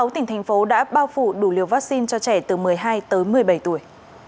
sáu tỉnh thành phố đã bao phủ đủ liều vaccine cho trẻ từ một mươi hai tới một mươi bảy tuổi